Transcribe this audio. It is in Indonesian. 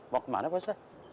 mau kemana pak ustadz